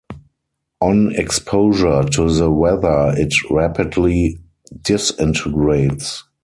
On exposure to the weather it rapidly disintegrates.